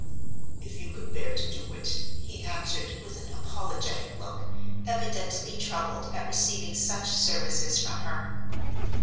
"If you can bear to do it," he answered, with an apologetic look, evidently troubled at receiving such services from her.